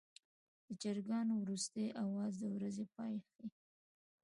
د چرګانو وروستی اواز د ورځې پای ښيي.